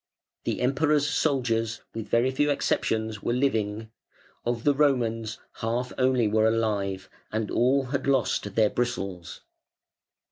The "Emperor's soldiers", with very few exceptions, were living; of the "Romans" half only were alive, and all had lost their bristles.